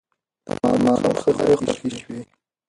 د مامور خبرې خوښې شوې.